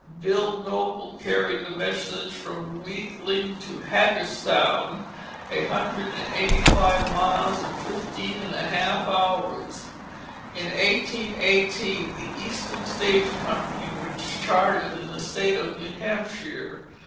Bill Noble carried the message from Wheeling to Hagerstown, a hundred and eighty five miles, in fifteen and a half hours. In 1818 the Eastern Stage Company was chartered in the state of New Hampshire.